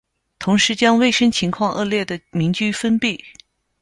同时将卫生情况恶劣的民居封闭。